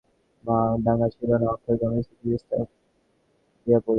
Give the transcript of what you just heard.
ডাঙা দূরে ছিল না, অক্ষয় স্টীমার হইতে লাফ দিয়া পড়িল।